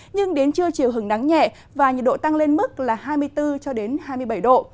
nhưng đến trưa chiều hứng nắng nhẹ và nhiệt độ tăng lên mức hai mươi bốn hai mươi bảy độ